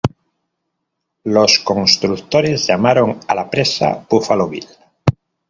Los constructores llamaron a la presa Buffalo Bill.